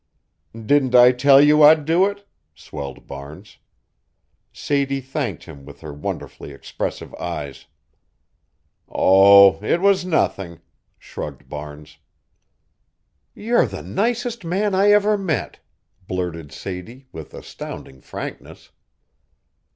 "Didn't I tell you I'd do it?" swelled Barnes. Sadie thanked him with her wonderfully expressive eyes. "Oh, it was nothing," shrugged Barnes. "You're the nicest man I ever met," blurted Sadie, with astounding frankness.